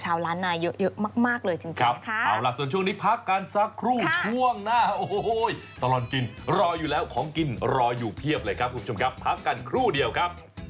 จังหวัดแพร่จังหวัดนา